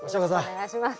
お願いします。